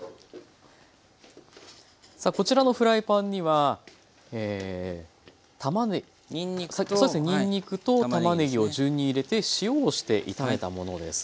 さあこちらのフライパンにはにんにくとたまねぎを順に入れて塩をして炒めたものです。